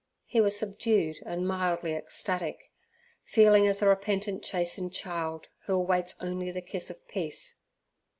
He was subdued and mildly ecstatic, feeling as a repentant chastened child, who awaits only the kiss of peace.